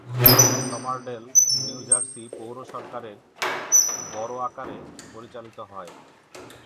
Somerdale New Jersey পৌর সরকারের borough আকারে পরিচালিত হয়।